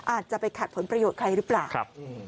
อาจจะไปขัดผลประโยชน์ใครหรือเปล่าครับ